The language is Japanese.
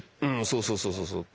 そうそうそうそうそう。